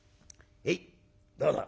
へいどうぞ」。